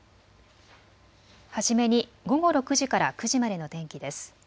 初めに午後６時から９時までの天気です。